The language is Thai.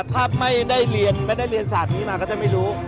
ถ้าไม่ได้เรียนไม่ได้เรียนศาสตร์นี้มาก็จะไม่รู้